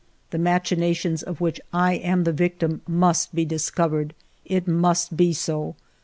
The machinations of which I am the victim must be discovered ; it must be so.